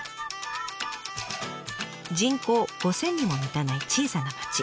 人口５，０００にも満たない小さな町。